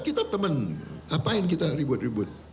kita temen ngapain kita ribut ribut